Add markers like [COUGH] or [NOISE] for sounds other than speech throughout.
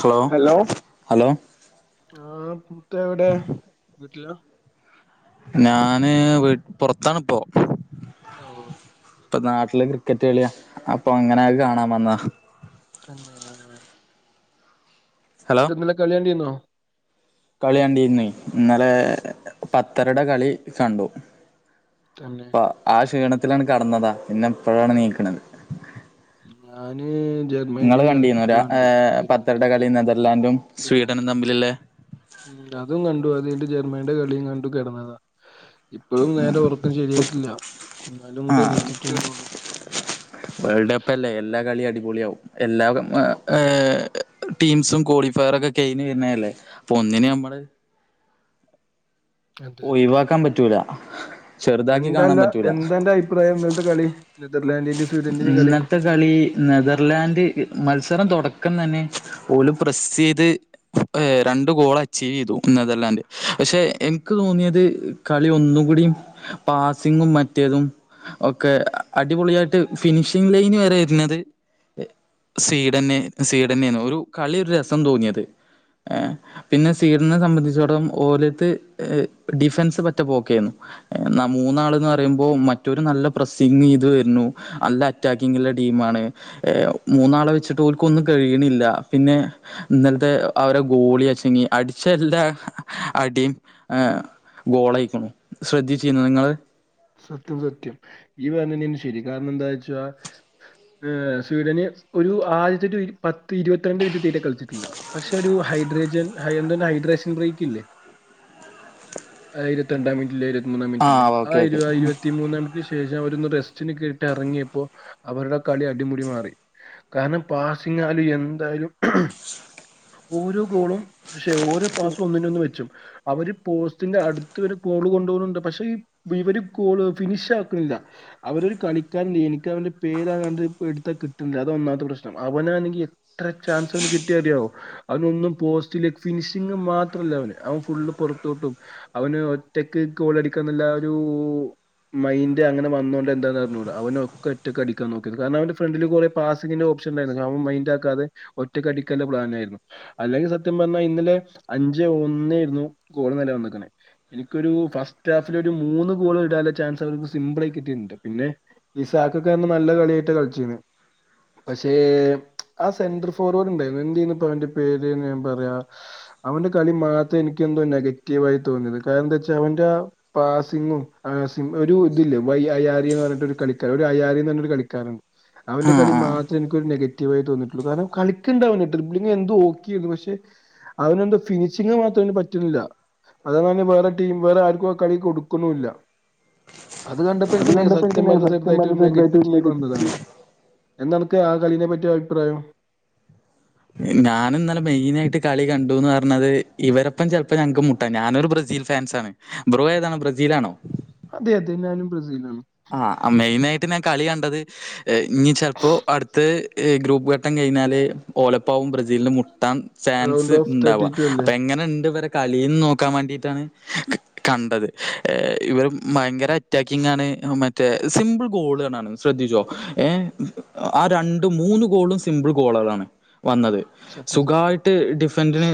Hello hello hello ആഹ് ഇത് എവിടെ വീട്ടി ഞാന് പുറത്താണ് ഇപ്പോ ഓഹ് ഇപ്പൊ നാട്ടില് ക്രിക്കറ്റ് കളിയ അപ്പൊ അങ്ങനത് കാണാൻ വന്നതാ തന്നെയാ ഹലോ എന്നിട്ട് ഇന്നലെ കളി കണ്ടിരുന്നോ കളി കണ്ടിരുന്ന് ഇന്നലെ പത്തരടെ കളി കണ്ടു തന്നെ അപ്പ ആഹ് ക്ഷീണത്തിലങ്ങട് കിടന്നതാ പിന്നെ ഇപ്പഴാണ് എണീക്കണത് ഞാന് ജെ നിങ്ങള് കണ്ടിരുന്നോ പത്തരയുടെ കളി നെതർലാന്റും പിന്നെന്താ അതും കണ്ടു അതുകഴിഞ്ഞിട്ട് ജർമ്മനിയുടെ കളിയും കണ്ടു കിടന്നതാ ഇപ്പോഴും നേരെ ഉറക്കം ശരിയായിട്ടില്ല എന്നാലും ഇങ്ങോട്ട് ആഹ് എണീച്ചിട്ടുള്ളൂ വേൾഡ് കപ്പല്ലേ എല്ലാ കളിയും അടിപൊളിയാവും എല്ലാ ടീംസും ക്വാളിഫയറൊക്കെ കഴിഞ്ഞുവരുന്നല്ലേ പ്പൊന്നിനെ ഉം നമ്മള് അതെ ഒഴിവാക്കാൻ പറ്റൂല ചെറുതാക്കി കാണാൻ എന്താല്ല പറ്റൂല എന്താന്റെ അഭിപ്രായം ഇന്നലത്തെ കളി നെതർലാന്റിന്റെയും സ്വീഡന്റെയും കളി ഇന്നത്തെ കളി നെതർലാൻഡ് മത്സരം തുടക്കം തന്നെ ഓല് പ്രസ് ചെയ്ത് ഏഹ് രണ്ട് ഗോൾ അച്ചീവ് ചെയ്തു നെതർല്ലാന്റ് പക്ഷെ എനിക്ക് തോന്നിയത് കളി ഒന്നും കൂടിയും പാസിങ്ങും മറ്റേതും ഒക്കെ അടിപൊളിയായിട്ട് ഫിനിഷിംഗ് ലൈൻ വരെയിരുന്നത് സ്വീഡന്ന് സ്വീഡന്നെയായിരുന്നു ഒരു കളി ഒരു രസം തോന്നിയത് ഏഹ് പിന്നെ സ്വീഡനെ സംബന്ധിച്ചോടം ഓലത് ഡിഫൻസ് പറ്റ പോക്കെയിരുന്നു എന്നാ മൂന്നാൾ എന്ന് പറയുമ്പോ മറ്റൊരു നല്ല പ്രസിങ്ങ് ഇത് വരുന്നു നല്ല അറ്റാക്കിങ്ങുള്ള ടീമാണ് ഏഹ് മൂന്നാളെ വെച്ചിട്ട് ഓൽക്കൊന്നും കഴിയണില്ല പിന്നെ ഇന്നലത്തെ അവരെ ഗോളി അച്ചങ്ങി അടിച്ച എല്ലാ അടിയും ഗോളായിക്കണു ശ്രദ്ധിച്ചിരുന്നോ നിങ്ങള് സത്യം സത്യം ഈ പറഞ്ഞെനെനി ശരി കാരണം എന്താ വെച്ചാ ഏഹ് സ്വീഡന് ഒരു ആദ്യത്തെ ഒരു പത്ത് ഇരുപത്തിരണ്ട് മിനിറ്റ് തീരെ കളിച്ചിട്ടില്ല പക്ഷെ ഒരു ഹൈഡ്രേജൻ എന്താണ്ട് ഒര് ഹൈഡ്രേഷൻ ബ്രേക്ക് ഇല്ലേ ആയിരത്തി രണ്ടാം മിനിറ്റില് ഇരുപത്തി മൂന്നാം മിനിറ്റില് ആഹ് ഓക്കെ ഓക്കെ ആയിരുഇരുപത്തി പതിമൂന്നാമിക്ക് ശേഷം അവരൊന്ന് റെസ്റ്റിന് കേട്ടി ഇറങ്ങിയപ്പോ അവരുടെ കളി അടിമുടി മാറി കാരണം പാസിങ്ങായാലും എന്തായാലും ഓരോ ഗോളും ശ്ശെ ഓരോ പാസ്സ് ഒന്നിനൊന്ന് വെച്ചു അവര് പോസ്റ്റിന്റെ അടുത്ത് വരെ ഗോള് കൊണ്ടു പോവുന്നുണ്ട് പക്ഷെ ഇവര് ഗോൾ ഫിനിഷാക്കുന്നില്ല അവരൊരു കളിക്കാരുണ്ട് എനിക്ക് അവന്റെ പേരാണ്ട് എടുത്താ കിട്ടണില്ല അത് ഒന്നാമത്തെ പ്രശ്നം അവനാണെങ്കി എത്ര ചാൻസവന് കിട്ടിയറിയാവോ അവനൊന്നും പോസ്റ്റില് ഫിനിഷിങ് മാത്രല്ല അവന് അവൻ ഫുള്ള് പുറത്തോട്ടും അവന് ഒറ്റക്ക് ഗോളടിക്കന്നല്ല ഒരു മൈന്് അനെ വന്നുകൊണ്ട് എന്താന്ന് പറഞ്ഞോൂ അവന ഒക്കെ ഒറ്റൊക്ക അടിക്കാൻ നോക്കിയത് കാരണം അവ ഫ്രണ്ടില്റെ പാസിങ്ങിന്റെ ഓപ്ഷൻ ഉണ്ടായിര്ന്നു അതും മൈൻഡാക്കാതെ ഒറ്റക്കടിക്കാള്ള പ്ലാനായിരുന്നു അല്ലെങ്കി സത്യം പറഞ്ഞാ ഇന്നലെ അഞ്ചേ ഒന്നേര്ന്നു കോള്ന്നലെ വെന്ന്ക്കണത് ഇൻക്കൊരു കസ്റ്റാത്ത്ലൊരു മൂന്ന് കോള് ട്ടാള്ള ചാൻസൊക്കോൽക്ക്‌ സിമ്പിളായി കിട്ടിണ്ട് പിന്നെ ഇസാക്കൊക്കെ അന്ന് നല്ല കളിയായിട്ട കളിച്ചിന്ന് പക്ഷേ ആ സെന്റർ ഫോർവേഡ് ണ്ടേര്ന്നു എന്തേയ്ന്നുപ്പവന്റെ പേര്ന്ന് ഞാൻ പറയാ അവന്റെ കളി മാത്രം എനിക്കെന്തോ നെഗറ്റീവായി തോന്നിയത് കാരണം ന്താ വെച്ചാ അവന്റെ പാസിങ്ങും പാസി ഒരു ഇത് ല്ല വൈ അയ്യാരി ന്ന് പർഞ്ട്ടൊരു കളിക്കാർ ഒരു അയ്യാരി ന്ന് ർഞൊരു കളിക്കാരൻ അവന്റെ ആഹ് കളി മാ ആഹ് ഇൻക്കൊരു നെഗറ്റീവായി തോന്നിട്ടുള്ളൂ കാരണം കളിക്കണ്ടവന് ത്രിബ്ലിങ്ങെന്തോ ഓക്കെന്നു പക്ഷെ അവനെന്തോ ഫിനിഷിങ് മാത്രവന് പറ്റ്ൺല്ല [UNINTELLIGIBLE] വേറെ ടീം വേറെ ആർക്കും ആ കളി കൊടുക്കുണുല്ല അത് കണ്ടപ്പോ എനിക്ക് നെ എനിക്ക് സത്യം നേ- പറഞ്ഞ സത്യം ചെറുതായിട്ട് പറഞ്ഞ ചെറുതായിട്ട് നെഗറ്റീവന്നതാണ് നെഗറ്റീവ് എന്തനക്ക് ആ കളീനെ പറ്റി അഭിപ്രായം ഞാൻ ഇന്നലെ മെയിനായിട്ട് കളി കണ്ടുന്ന് പറഞ്ഞത് ഇവരൊപ്പം ചെൽപ്പോ ഞങ്ങക്ക് മു ട്ട ഞാനൊരു ബ്രസീൽ ഫാൻസാണ് ബ്രോ ഏതാണ് ബ്രസീലാണോ അതെ അതെ ഞാനും ബ്രസീലാണ് ആ മെയിനായിട്ട് ഞാൻ കളി കണ്ടത് ഞ്ഞി ചെൽപ്പോ അടുത്തത് ഈ ഗ്രൂപ്പ് ഘട്ടം കഴിഞ്ഞാല് ഓലപ്പാവും ബ്രസീലിന് മുട്ടാൻ റൗണ്ട് ഫചാൻസ് ഓഫ് തേർട്ടി ണ്ടാവാ ടു അല്ലേ അപ്പൊ എങ്ങനെണ്ട് ഇവരെ കളിന്ന് നോക്കാൻ വാണ്ടിട്ടാണ് ആ, കണ്ടത് ഇവര് ഭയങ്കര അറ്റാക്കിങ്ങാണ് മറ്റേ സിമ്പിൾ ഗോളാളാണ് ശ്രദ്ധിച്ചോ ഏ ആ രണ്ടും മൂന്ന് ഗോളും സ് സിമ്പിൾ ഗോളാളാണ് വന്നത് സത്യം സത്യം സുഖായി ട്ട് ഡിഫന്റിന്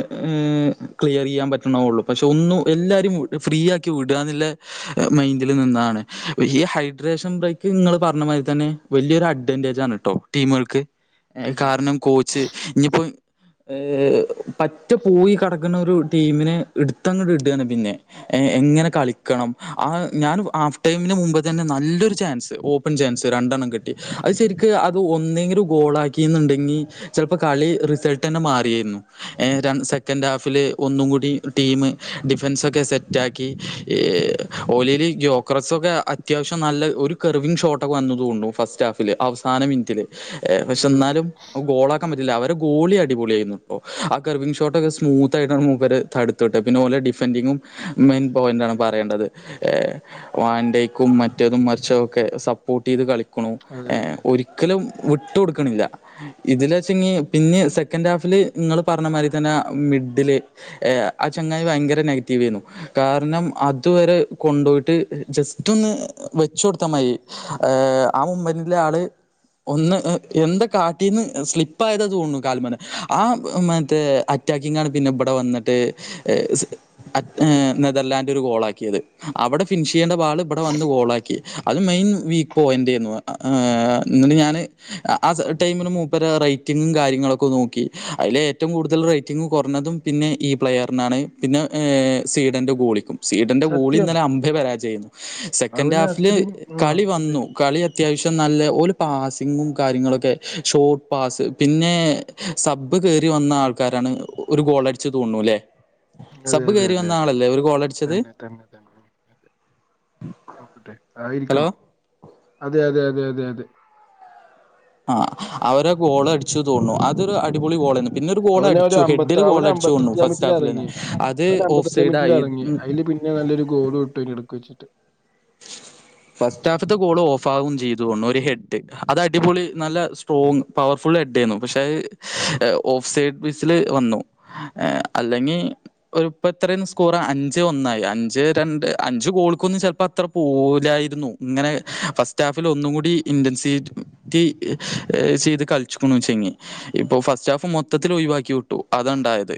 ക്ലിയറ് ചെയ്യാൻ പറ്റണ ഒള്ളു പക്ഷെ ഒന്നും എല്ലാരേം ത് ഫ്രീ ആക്കിവിടാന്ന്ള്ള മൈന്റില് നിന്നാണ് ഈ ഹൈഡ്രേഷൻ ബ്രേക്ക് ങ്ങള് പറഞ്ഞ മാതിരിത്തെന്നെ വെല്യോരു അഡ്വാന്റെജാണ് ട്ടോ ടീമാൾക്ക് അതെ കാരണം കോച്ച് ഇനിപ്പം ഏ പറ്റ പോയി കെടക്ക്‌ണൊരു ടീമിനെ ഇട്ത്തങ്ങട്ട് ഇടാണ് പിന്നെ എങ്ങനെ കളിക്കണം ആ ഞാന് ആഫ്ടൈമിന് മു മ്പ്ത്തെന്നെ നല്ലൊരു ചാൻസ് ഓപ്പൺ ചാൻസ് രണ്ടെണ്ണം കിട്ടി അത് ശെരിക്ക്‌ അത് ഒന്നെങ്കിലും ഗോള ക്കി ന്ന്ണ്ടെങ്കി ചെൽപ്പോ കളി റിസൾട്ടെന്നെ മാറിയേന്നു എ രണ്ട് സെക്കൻഡാഫില് ഒന്നും കൂടി ടീമ് ഡിഫൻസൊക്കെ സെറ്റാക്കി ഏ ഓലെല് യോക്രസൊക്കെ അത് ത്യാവശ്യം നല്ല ഒരു കർവിങ് ഷോട്ടൊക്കെ വന്നു തോണു ഫസ്റ്റ് ഹാഫില് അവസാന മിന്റ്ല് ഏ പക്ഷെ അതെ അതെ ന്നാലും അത് ഗോളാക്കാൻ പറ്റില്ല അവര് ഗോളി അടിപൊളിയായ്ന്നുട്ടോ ആ കർവിങ് ഷോട്ടൊക്കെ സ്മൂത്തായിട്ടാണ് മൂപ്പര് തട് ത്ത്ട്ടത് പിന്നോലെ ഡിഫന്റിങ്ങും മെയിൻ പോയിന്റാണ് പറയണ്ടത് എ വ ക്കും മറ്റേതും മർച്ചേതൊക്കെ സപ്പോർട്ടെയ്ത് ഉം. കളിക്കുണു അതെ എ അതെ അതെ ഒരി രിക്കലും വിട്ട് കൊടുക്ക്‌ണില്ല ഇതില് വെച്ചെങ്കി പിന്നിം സെക്കൻഡാഫില് ങ്ങള് പറഞ്ഞ മാരിത്തെന്നെ മിഡില് എ അ ചെങ്ങായി ഭയങ്കര നെഗറ്റീവേന്നു കാരണം അതുവരെ കൊണ്ടോയിട്ട് ജസ് റ്റൊന്ന് വെച്ചൊടുത്തമയി ഏ ആ മുമ്പില്ല്ലാള് ഒന്ന് എന്താ കാട്ടീന്ന് സ്ലിപ്പായത തോന്ന്ണു കാൽമന്ന് ആ മറ്റേ അ റ്റാക്കിങ്ങാണ് പിന്നെ ബടെ വെന്ന്ട്ട് സ് അറ്റ് എ നെതർലാന്റൊരു ഗോളാക്ക്യേത് അവടെ ഫിനിഷ് യ്യണ്ട ബാള് ഇവടെ വന്ന് ഗോളാക്കി അതും മെയിൻ വി പോ പോയിൻറ് ചെയ്യുന്നു. ആഹ് എന്നിട്ട് ഞാന് ആ ടൈമിന് മൂപ്പരാ റേറ്റിങ്ങും കാര്യങ്ങളൊക്കെ നോക്കി. അയിലേറ്റവും കൂടുതല് റേറ്റിംഗ് കൊറഞ്ഞതും പിന്നെ ഈ പ്ലെയറിനാണ്. പിന്നെ സ്വീഡൻ്റെ ഗോളിക്കും. സ്വീഡന്റെ ഗോളി സത്യം ഇന്നലെ അമ്പേ പരാജയേന്നു. സെക്കന്റ് അവന് ഹാഫില് അത്രയും ആ കളി അതെ വന്നു. കളി അത്യാവശ്യം നല്ല, ഓല് പാസ്സിങ്ങും കാര്യങ്ങളൊക്കെ ഷോർട്ട് പാസ്, പിന്നെ സബ്ബ് കേറി വന്ന ആൾക്കാരാണ് ഒരു ഗോളടിച്ചെ തോന്നുണുല്ലെ? അതെ സബ്ബ് അതെ കേറി അതെ വന്ന അതെ ആളല്ലേ ഒരു ഗോളടിച്ചത്? തന്നെ തന്നെ നോക്കട്ടെ ഹലോ ആയിരിക്കണം. അതെ അതെ അതെ അതെ അതെ. ആഹ് അവരാ ഗോള് അടിച്ചേ തോന്നുണു. അതൊരു അടിപൊളി ഗോളേനു. പിന്നൊരു ഗോൾ അവന് ഒരു അടിച്ചു അമ്പത്തി ഹെഡ്ഡില് ഗോൾ അവന് അടിച്ചു തോന്നുണു അമ്പത്തഞ്ചാം ഫസ്റ്റ് മിനിറ്റിൽ ഹാഫിലന്നെ. ഇറങ്ങി അത് അവന് ഓഫ് അമ്പത്തഞ്ചാം മിനിറ്റിൽ സൈഡായി. ഇറങ്ങി അതില് പിന്നെ നല്ലൊരു ഗോളു ഇട്ടു അതിന്റെടക്ക് വച്ചിട്ട്. ഫസ്റ്റ് ഹാഫ്ത്തെ ഗോള് ഓഫാകും ചെയ്തു തോന്നുണു ഒരു ഹെഡ്ഡ്. അത് അടിപൊളി നല്ല സ് ട്രോങ് പവർഫുൾ ഹെഡ്ഡേരുന്നു. പക്ഷെ അത് ഓഫ് സൈഡ് ബേസില് വന്നു. ഈഹ് അല്ലെങ്കി ഒരു ഇപ്പെത്രയേനു സ്കോറ്? അഞ്ച് ഒന്നായി. അഞ്ചേ രണ്ട്. അഞ്ച് ഗോൾക്കൊന്നു ചെലപ്പൊ അത് അത്ര പോവൂലായിരുന്നു. ഇങ്ങനെ ഫസ്റ്റ് ഹാഫിൽ ഒന്നും കൂടി ഇന്റൻസീറ്റ് റ്റി ചെയ്ത് കളിച്ചിക്കുണൂച്ചെങ്കി. ഇപ്പൊ ഫസ്റ്റ് ഹാഫ് മൊത്തത്തിൽ ഒഴിവാക്കി വിട്ടു. അതാണ്ടായത്.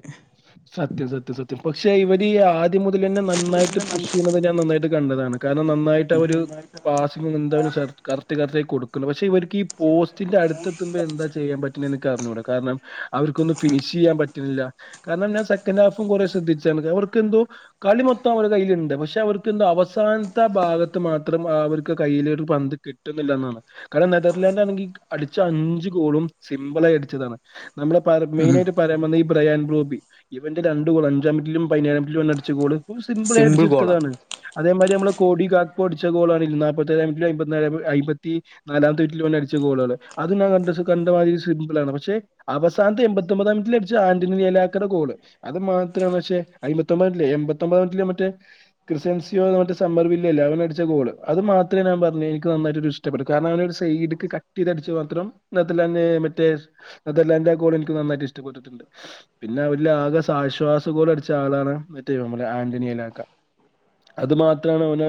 സത്യം സത്യം സത്യം. പക്ഷെ ഇവര് ആ ദ്യം മുതലന്നെ നന്നായിട്ട് പുഷ് ചെയ്യണത് ഞാൻ നന്നായിട്ട് കണ്ടതാണ്. കാരണം നന്നായിട്ട് അവര് പാസ് എന്താ ഒരു കറത്ത് കറത്തായി കൊടുക്കുണു. പക്ഷെ ഇവർക്ക് ഈ പോസ്റ്റിന്റെ അടുത്തെത്തുമ്പോ എന്താ ചെയ്യാൻ പറ്റ് റ്റണേക്കറിഞ്ഞൂട. കാരണം, അവർക്കൊന്നും ഫിനിഷ് ചെയ്യാൻ പറ്റുന്നില്ല. കാരണം ഞാൻ സെക്കന്റ് ഹാഫും കൊറെ ശ്രദ്ധിച്ചാണ്. അവർക്കെന്തോ കളി മൊത്തം അവരെ കയ്യില്ണ്ട്. പക്ഷെ അവർക്ക് എന്തോ അവസാനത്തെ ആ ഭാഗത്ത് മാത്രം അവർക്ക് കയ്യിലൊരു പന്ത് കിട് ട്ടുന്നില്ലാന്നാണ്. കാരണം നെതർലാൻഡ് ആണെങ്കി അടിച്ച അഞ്ച് ഗോളും സിമ്പിളായി അടിച്ചതാണ്. നമ്മുടെ പറ മെയിനായിട്ട് പറയാൻ വന്നേ ഈ ബ്രയാൻ ബ്രോബി. ഇവന്റെ രണ്ട് ഗോള് അഞ്ചാമിനിറ്റിലും പതിനേഴാമിനിറ്റിലും ഓനടിച്ച ഗോള്, ഓൻ സിമ്പിളായി സിമ്പിൾ ഗോളാ അടിച്ചെട്ത്തതാണ്. അതേമാതിരി നമ്മള കോടി ഗാഗ്പൊ അടിച്ച ഗോളാണ് നാപ്പത്തേഴാം മിനിറ്റിലും അയ്മ്പത്തിനാലെ അയ്മ്പത്തി നാലാമത്തെ മിനിറ്റിലും ഓനടിച്ച ഗോള്കള്. അതു ഞാൻ കണ്ട കണ്ടമാതിരി സിമ്പിളാണ്. പക്ഷെ അവസാനത്തെ എൺപത്തൊമ്പതാം മിനിറ്റില് അടിച്ച ആന്റണി റിയലാക് ക്കറ് ഗോള്. അത് മാത്രാ പക്ഷേ അയ്മ്പത്തൊമ്പതിലേ എൺപത്തൊമ്പതാ മിനിറ്റിലേ മറ്റേ ക്രിസ്ത്യൻസിയോ മറ്റേ സമ്മർ വില്ലയല്ലേ? അവനടിച്ച ഗോള്, അത് മാത്രാണ് ഞാൻ പറഞ്ഞേ എനിക്ക് നന്നായിട്ടൊരു ഇഷ് ടപ്പെട്ട്. കാരണം, അവനൊരു സൈഡ്ക്ക് കട്ട് ചെയ്തടിച്ച മാത്രം നെതർലാൻഡ് മറ്റേ അതെല്ലാം അയ്ന്റെ കൂടെ എനിക്ക് നന്നായിട്ട് ഇഷ്ടപ്പെട്ടിട്ടുണ്ട്. പിന്നെ അവരിലാകെ ആശ്വാസഗോളടിച്ച ആളാണ് മറ്റേ ഇവൻ മ്മളെ ആന്റണിയലാക്ക. അത് മാത്രാണ് അവനെ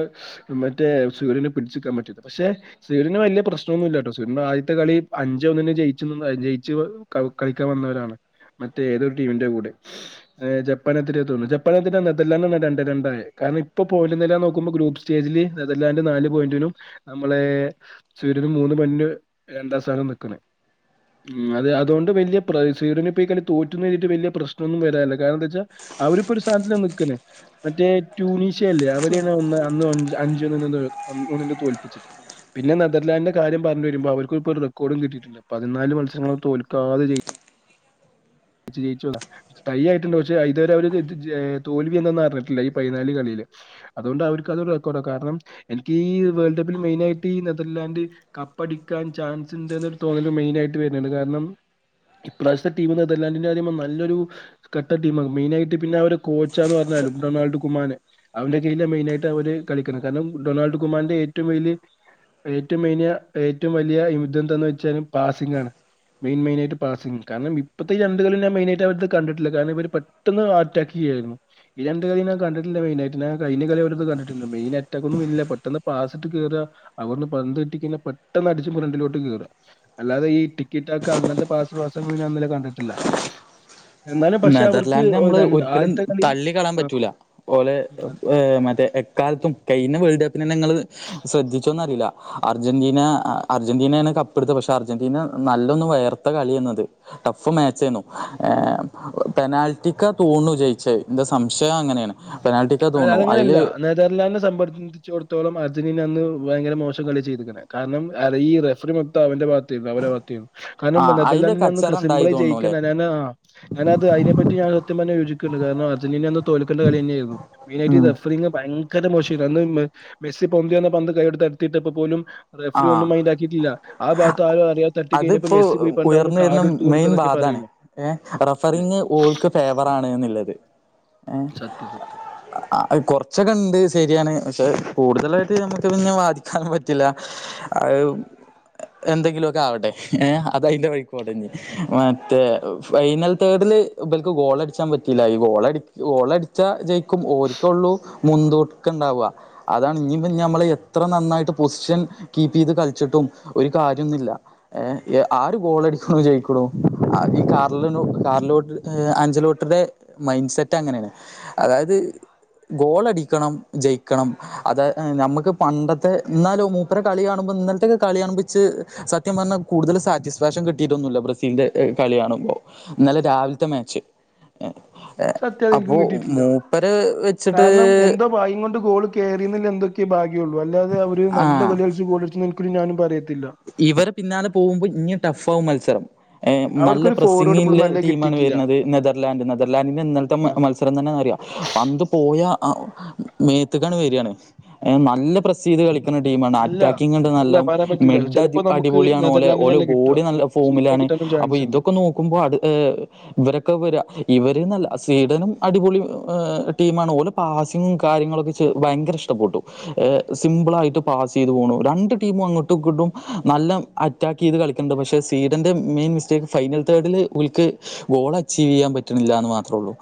മറ്റേ സ്വീഡന് പിടിച്ച്ക്കാൻ പറ്റിയത്. പക്ഷെ സ്വീഡന് വല്യ പ്രശ്നൊന്നുല്ലട്ടോ. സ്വീഡന്റെ ആദ്യത്തെ കളി അഞ്ചേ ഒന്നിന് ജയിച്ചൂന്നു ജയിച്ച് കളിക്കാൻ വന്നവരാണ് മറ്റേ ഏതൊരു ടീമിന്റെ കൂടെയും. ഈഹ് ജപ്പാനെതിരെയാ തോന്നുന്നു. ജപ്പാനെതിരെ നെതർലാൻഡിനെന്നാ രണ്ടേ രണ്ടായേ. കാരണം ഇപ്പോ പോയിന്റ് നില ഞാൻ നോക്കുമ്പോ ഗ്രൂപ്പ്സ് സ്റ്റേജില് നെതർലാൻഡ് നാല് പോയിന്റിനും നമ്മളേ സ്വീഡന് മൂന്ന് മണിന് രണ്ടാം സ്ഥാനം നിൽക്കണെ. ഉം. അത് അതോണ്ട് വല്യ പ്ര സ്വീഡന് ഇപ്പ ഈ കളി തോറ്റ് റ്റ്ന്ന് വിചാരിച്ചിട്ട് വല്യ പ്രശ്നൊന്നും വരാനില്ല. കാരണംന്താച്ചാ അവരിപ്പോ ഒരു സ്ഥാനത്തിലാ നിക്ക്ന്നെ. മറ്റേ ട്യൂണീഷ്യ അല്ലേ, അവരെയാണ് ഒന്ന് അന്ന് അഞ്ചേ ഒന്നിന് തോൽപ്പിച്ചത്. പിന്നെതർലൻറിന്റെ കാര്യ പറഞ്ഞ വരുമ്പോ അവർക്ക് ഒരു റെക്കൊർഡ കട്ടിട്ടില്ല പതിനാല് മത്സങ്ങങ്ങള് തോൽക്കാതെ ചെയ്യ ചെയയിച്ചോല്ല തയ്യ ആയിട്ടുണ്ടണ്ട് പക്ഷെ ഇതുവരെ അവര് തോൽവി എന്തന്നുംറിഞ്ഞിട്ടില്ല ഈ പയ്നാല് കളിയില് അതുകൊണ്ട് അവർക്ക് അത് ഒരു റെക്കോർഡാണ് കാരണം എനിക്ക് ഈ വേൾഡ് കപ്പിൽ മെയിനയിട്ട് ഈ നെതർലാൻഡ് കപ്പടിക്കാൻ ചാൻസ് ഉണ്ട്ന്ന്രു തോന്നല് മെയിൻ ആയിട്ട് വരാണ് കാരണം ഇപ്രാവശ്യത്തെ ടീമ അതല്ലാണ്ടന്റെറെ കാര്യ നല്ലൊരു കട്ട ടീമാ മെയിനായിട്ട് പിന്നെ അവര് കോച്ചാന്ന് പറഞ്ഞാലും ഡൊണാൾഡ് കുമാനെ അവന്റെ കയ്യില് മെയിന ആയിട്ട് അവര് കളിക്കണം കാരണം ഡൊണാൾഡ് കുമാറിന്റെ ഏറ്റവും വലിയ ഏറ്റവും എനിയ ഏറ്റവും വലിയ ഇത്‌ ന്തു വെച്ചാൽ പാസിംഗ് ആണ് മെയിൻ മെയിനായിയി് പാസിംഗ് കാരണം ഇപ്പോഴത്തെ രണ്ട് കളി ഞാൻ മെയിനായിട്ട് അവർത് കണ്ടിട്ടില്ലാ കാരണം ഇവര് പെട്ടെന്ന് അറ്റാക്ക് ചെയ്യയായിരുന്നു ഈ രണ്ട് കളി ഞാൻ കണ്ടില്ല മെനായിട്ട് കയിഞ്ഞ കളിം കണ്ടിട്ടില്ല മെയിൻ അറ്റാക്ക്ന്നുംന്നില്ല പെട്ടന്ന് പാസ്ട്ട് കേറ അവർന്ന് പന്ത് കെട്ടിക്കന്നെ പെട്ടെന്ന് അടിച്ചും ഫ്രണ്ടിലോട്ട് കയറ അല്ലാതെ ഈ ടിക്കറ്റൊക്കെ അങ്ങനത്തെ പാസ്പാസങ്ങൾ ഞാൻ ഇന്നലെ കണ്ടിട്ടില്ല എന്നാലും പക്ഷെ അവർക്ക് നെതർലാൻഡനെ ഒ നമ്മള് രണ്ട് ഒരിക്കലും ആദ്യത്തെ കളി തള്ളി കളയാൻ ആ, പറ്റൂല ഓലെ ഉം, മറ്റേ എക്കാലത്തും കഴിഞ്ഞ വേൾഡ് കപ്പിന് തന്നെങ്ങള് ശ്രദ്ധിച്ചൊന്ന് അറിയില്ല അർജന്റീന അർജന്റീനയാണ് കപ്പെടുത്തത് പക്ഷെ അർജന്റീന നല്ലൊന്ന് വയർ കളിയെന്നത് ടഫ് മാച്ചേനു പെനാൽറ്റിക്ക തോന്നു ജയിച്ചേ എന്റെ സംശയം അങ്ങനെയാണ് പെനാൽറ്റിക്ക തോന്നു അയിൽ തർലാന്റ് സംഭടിച്ചു തിടത്തോളം അർജന്റീന അന്ന് ഭയങ്കര മോശം കളി ചെയ്തിരിക്ണ് കാരണം ഈ റഫറി മൊത്തം അവന്റെ ഭാഗത്ത അവരെ ഭാഗ കാരണം ആഹ് അയില് നെതർലാൻഡിനന് കച്ചറ അന്ന് ഉണ്ടായി സിംബ്ളായി ജയിക്കാൻ തോന്നുണുല്ലേ ആ ഞാന അത് അതിനെപ്പറ്റി ഞാ സത്യം പറഞ്ഞ യോജിക്ക്ണ്ട് കാരണം അർന്റീനയന്ന് തോൽക്കണ്ട കളി തന്നായിരുന്നു മെയ്നായിട്ട് ഉം ഭയങ്കര മോശമായി അന്ന് മെസ്സി പൊന്തി വന്ന പന്ത് കൈയോണ്ട് തട്ടിട്ടപ്പോപോലും റഫറി ആഹ് ഒന്നും മൈൻഡാക്കിയിട്ടില്ല ആ ഭാഗത്ത് ആരോ അറിയാതെ തട്ടി കഴിഞ്ഞപ്പോ അതിപ്പോ മെസ്സി പോയി പറഞ്ഞ് ഉയർന്നു വരുന്ന കാഡ് എടുത്ത് മെയിൻ കൊടുക്കന്നൊക്കെ വാദാണ് പറയണേ ഏഹ് റഫറിങ്ങ് ഓര്ക്ക് ഫേവർ ആണ് എന്നുള്ളത് സത്യം സത്യം ആഹ് കുറച്ചൊക്കെ ഉണ്ട് ശരിയാണ് പക്ഷെ കൂടുതലായിട്ട് നമുക്ക് പിന്നെ വാദിക്കാൻ പറ്റില്ല ആഹ് എന്തെങ്കിലുമൊക്കെ ആവട്ടെ ഏഹ് അത് അയ്ന്റെ വഴിക്ക് പോട്ടെഞ്ഞി മറ്റേ ഫൈനൽ തേർഡിൽ ഇബൽക്ക് ഗോളടിച്ചാൻ പറ്റീല്ല ഈ ഗോളടി ഗോളടിച്ചാ ജയിക്കും ഓല് ക്കെള്ളൂ മുൻതൂക്കം ഉണ്ടാവ അതാണ് ഇനി നമ്മൾ എത്ര നന്നായിട്ട് പൊസിഷൻ കീപ്പ് ചെയ്ത് കളിച്ചിട്ടും ഒരു കാര്യംന്നുമില്ല ഏഹ് ആ ആര് ഗോൾടിക്ക്ണു ജയിക്ക്ണു ആ ഈ കാറില കാറിലോട്ട് അഞ്ചലോട്ടടെ മൈൻഡ് സെറ്റ് അങ്ങനെയാണ് അതായത് ഗോളടിക്കണം ജയിക്കണം അത നമുക്ക് പണ്ടത്തെ എന്നാലും ഇത്ര കളി കാണുമ്പോ ഇന്ന്ലത്തത്തെക്കെ കളി കാണിമ്പോ ഇച് സത്യം പറഞ്ഞാ കൂടുതൽ സാറ്റിസ്ഫാക്ഷൻ കിട്ടയിട്ടന്നുല്ല കളി കാണുമ്പോ എന്നല്ല ഇന്നലെ രാവിലത്തെ മാച്ച് സത്യം അപ്പൊ അതെനിക്കും കിട്ടിയിട്ടില്ല. മൂപ്പര വെച്ചിട്ട് വായം കൊണ്ട് ഗോള് കയറിന്നില്ല എന്തൊക്കെ ഭാഗ്യള്ളൂ അല്ലാതെ അവര് ഒരു ആ നല്ല കളി ഒരിക്കലും ഞാനും പറയത്തില്ല ഇവരെ പിന്നാലെ പോകുമ്പോ ഇനിയും ടഫ് ആവും മത്സരം നല്ല അവർക്കൊരു ഫോർവേഡ് പ്രസിംഗ്ള്ള ഇപ്പോഴും നല്ല ടീമാണ് കിട്ടിയിട്ടില്ല വരുന്നത് നെതർലാൻഡ്, നെതർലാൻഡിന്റെ ഇന്നലത്തെ മത്സ [UNINTELLIGIBLE] പന്ത് പോയ മേത്ത്‌ക്കങ്‌ വെരിയാണ് നല്ല പ്ര സിയ്ത് കളിക്കുന്ന ടീമാണ് അല്ല അറ്റാക്കിംഗ് ഉണ്ട് അല്ല നല്ലോം പറയാൻ പറ്റൂല മെഡ് അ ചിലപ്പോ നമുക്ക് അടിപൊളിയാണ് ഓലെ ഓലെ നെതർലാൻഡിനല്ല കിട്ടുക ബോഡി നല്ല സ്വീഡനെ ഫോമിലാണ് കിട്ടാനും അപ്പൊ ചാൻസ് ഉണ്ട് ഇതൊക്കെ നോക്കുമ്പോൾ അത്ഹ് ഇവരൊക്കെ വര ഇവരന്നല്ല സ്വീഡനും അടിപൊളി ടീമാണ് ഓല് പാസിങ്ങും കാര്യങ്ങളൊക്കെ ഭയങ്കര ഇഷ്ടപ്പെട്ടു സിമ്പിൾ ആയിട്ട് പാസ് ചെയ്ത് പോണു രണ്ട് ടീമും അങ്ങോ ട്ടും നല്ല അറ്റാക്ക് ചെയ്ത് കളിക്കുന്നുണ്ട് പക്ഷെ സ്വീഡന്റെ മെയിൻ മിസ്റ്റേക്ക് ഫൈനൽ തേർഡില് ഓല്ക്ക് ഗോൾ അച്ചീവ് ചെയ്യാൻ പറ്റുന്നില്ല എന്ന് മാത്രള്ളൂ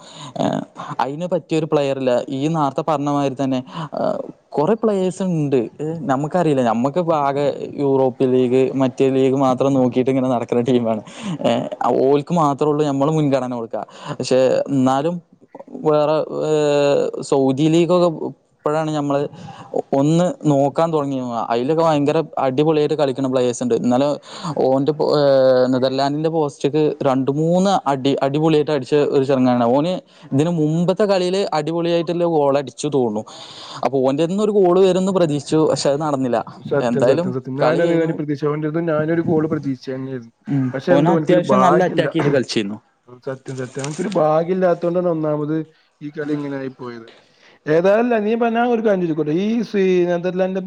അയിന് പറ്റിയരു പ്ലെയറില്ല ഇയ്യ് നാർത്തെ പറഞ്ഞ മാതിരിതന്നെ കുറെ പ്ലേഴ്സ് ഉണ്ട് നമുക്കറിയില്ല നമ്മുക്ക്പ്പാകെ യൂറോപ്യൻ ലീഗ് മറ്റേ ലീഗ് മാത്രം നോക്കിയിട്ട് ഇങ്ങനെ നടക്കുന്ന ടീമാണ് ഓല് ക്ക് മാത്രള്ളൂ ഞമ്മള് മുൻഗണന കൊടുക്ക പക്ഷെ എന്നാലും വേറെ ഏഹ് സൗദി ലീഗൊക്കെ ഇപ്പോഴാണ് ഞമ്മള് ഒന്ന് നോക്കാൻ തുടങ്ങി അതിലൊക്കെ ഭയങ്കര അടിപൊളിയായിട്ട് കളിക്കണ പ്ലേയേഴസ് ഉണ്ട് എന്നാല ഓന്റെ നെതർലാൻഡിന്റെ പോസ്റ്റക്ക് രണ്ട് മൂന്ന് അടി അടിപൊളിയായിട്ട് അടി ച്ച് ഒരു ചെങ്കാണ് ഓന് ഇതിന് മുമ്പത്തെ കളിയില് അടിപൊളിയായിട്ടുള്ള ഗോളടിച്ചു തോന്നു അപ്പൊ ഓന്റെതന്ന് ഒരു കോള് വരുംന്ന് പ്രതീക്ഷിച്ചു പക്ഷെ അത് നടന്നില്ല എന്തായാലും ഞാന കളി കഴിഞ്ഞു അതേമാതിരി പ്രതീക്ഷ കൊണ്ടിരുന്നു ഞാനൊരു ഗോള് പ്രതീക്ഷിച്ച തന്നെയായിരുന്നു ഉം പക്ഷെ ഓന് എന്തോ എനിക്കൊരു അത്യാവശ്യം നല്ല ഭാഗ്യല്ല അറ്റാക്ക് ചെയ്ത് കളിച്ചിരുന്നു സത്യം സത്യം അനക്കൊരു ഭാഗ്യം ഇല്ലാത്ത കൊണ്ടാണ് ഒന്നാമത് ഈ കളി ഇങ്ങനായി പോയത് ഏതായാലല്ല നീ ഇപ്പ ഞാൻ ഒരുകാര്യം ചോയിച്ചോക്കട്ടെ ഈ സ നെതർലൻഡ്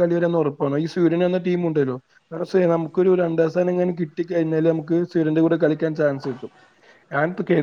കളിവരും എന്ന് ഉറപ്പാണ് ഈ സ്വീഡൻ എന്ന ടീം ഉണ്ടല്ലോ നമുക്കൊ ഒരു രണ്ടസാനം ഇങ്ങനെ കിട്ടി കഴിഞ്ഞാല് നമുക്ക് സ്വീഡന്റെ കൂടെ കളിക്കൻ ചാൻസ് കിട്ടും ഞൻ പ് കേ